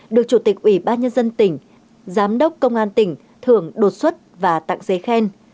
được chủ tịch ủy ban nhân dân tỉnh giám đốc công an tỉnh thưởng đột xuất và tặng giấy khen